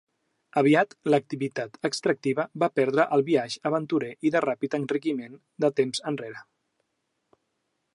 Aviat l'activitat extractiva va perdre el biaix aventurer i de ràpid enriquiment de temps enrere.